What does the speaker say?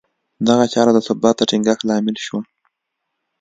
دغه چاره د ثبات د ټینګښت لامل شوه